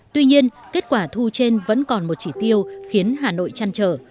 tuy nhiên kết quả thu trên vẫn còn một chỉ tiêu khiến hà nội chăn trở